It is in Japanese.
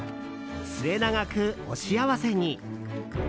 末永くお幸せに！